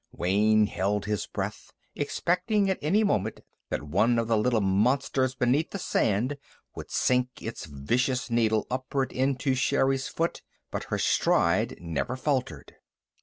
Wayne held his breath, expecting at any moment that one of the little monsters beneath the sand would sink its vicious needle upward into Sherri's foot. But her stride never faltered.